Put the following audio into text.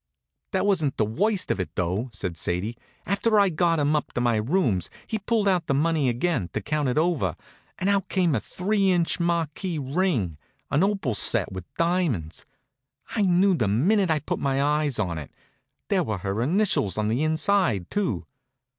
"That wasn't the worst of it, though," said Sadie. "After I had got him up to my rooms he pulled out the money again, to count it over, and out came a three inch marquise ring an opal set with diamonds that I knew the minute I put my eyes on it. There were her initials on the inside, too.